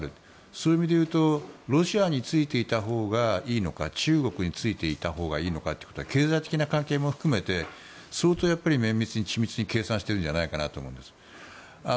そういう意味で言うとロシアについていたほうがいいのか中国についていたほうがいいのかということは経済的な関係も含めて相当、綿密に緻密に計算してるんじゃないかなと思うんです。